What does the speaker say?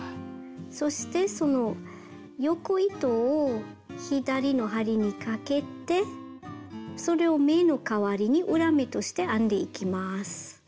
そしてその横糸を左の針にかけてそれを目の代わりに裏目として編んでいきます。